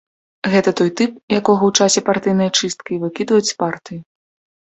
Гэта той тып, якога ў часе партыйнай чысткі выкідаюць з партыі.